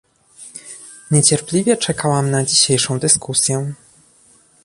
Niecierpliwie czekałam na dzisiejszą dyskusję